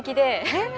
え。